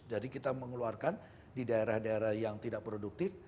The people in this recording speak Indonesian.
jadi kita mengeluarkan di daerah daerah yang tidak produktif